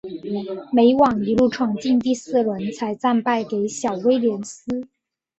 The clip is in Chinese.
美网一路闯进第四轮才败给小威廉丝。